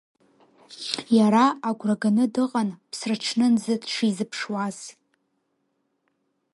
Иара агәра ганы дыҟан, ԥсраҽнынӡа дшизыԥшуаз.